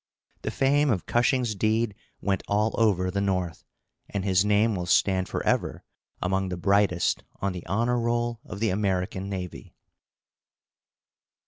The fame of Cushing's deed went all over the North, and his name will stand forever among the brightest on the honor roll of the American navy.